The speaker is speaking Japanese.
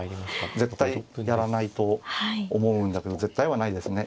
絶対やらないと思うんだけど絶対はないですね。